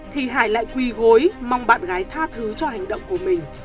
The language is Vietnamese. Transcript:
thì hải lại quỳ gối mong bạn gái tha thứ cho hành động của mình